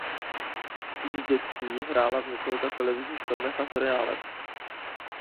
Už v dětství hrála v několika televizních filmech a seriálech.